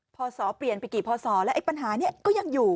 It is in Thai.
พอสอเปลี่ยนไปกี่พศแล้วไอ้ปัญหานี้ก็ยังอยู่